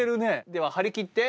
では張り切って。